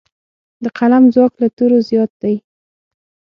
د قلم ځواک له تورو زیات دی.